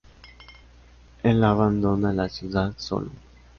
Él abandona la ciudad, solo.